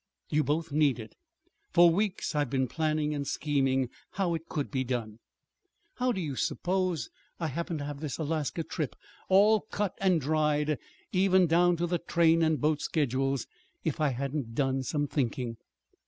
You both need it. For weeks I've been planning and scheming how it could be done. How do you suppose I happened to have this Alaska trip all cut and dried even down to the train and boat schedules, if I hadn't done some thinking?